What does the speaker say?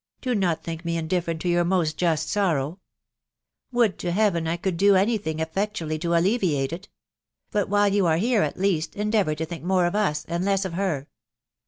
Do not think me in different to your most just sorrow "Would to Heaven I could ^o any thing effectually to alleviate it ! But while you ave&ere, at least, endeavour to think more of us, and less of her.